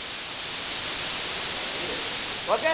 ოფიციალური ენებია ირლანდიური და ინგლისური.